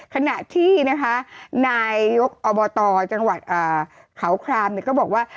ขณะที่นะคะนายยกอบตจังหวัดเขาครามก็บอกว่า